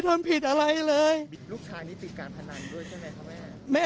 ลูกชายนี้ติดการพนันด้วยใช่ไหมครับแม่